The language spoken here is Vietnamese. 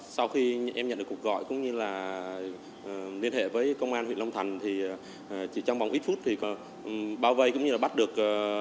sau khi em nhận được cuộc gọi cũng như là liên hệ với công an huyện long thành thì chỉ trong vòng ít phút thì bao vây cũng như là bắt được